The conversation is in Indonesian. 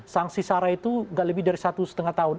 sanksi sara itu nggak lebih dari satu setengah tahun